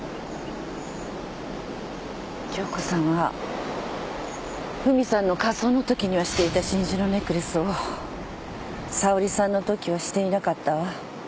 杏子さんはフミさんの火葬のときにはしていた真珠のネックレスを沙織さんのときはしていなかったわ。